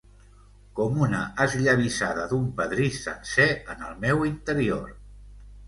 Com una esllavissada d'un pedrís sencer en el meu interior.